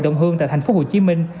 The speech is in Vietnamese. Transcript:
đồng hương tại thành phố hồ chí minh